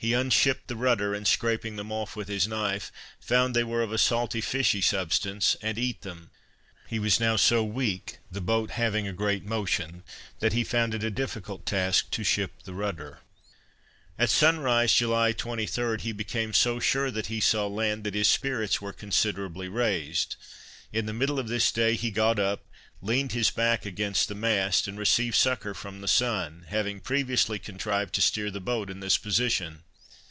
He unshipped the rudder, and scraping them off with his knife, found they were of a salt fishy substance, and eat them; he was now so weak, the boat having a great motion, that he found it a difficult task to ship the rudder. At sunrise, July 23, he became so sure that he saw land, that his spirits were considerably raised. In the middle of this day he got up, leaned his back against the mast, and received succour from the sun, having previously contrived to steer the boat in this position.